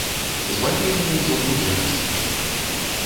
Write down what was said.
Званю яму ўжо другі раз.